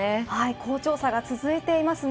好調さが続いていますね。